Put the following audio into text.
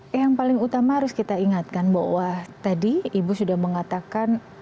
ya yang paling utama harus kita ingatkan bahwa tadi ibu sudah mengatakan